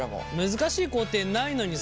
難しい工程ないのにさ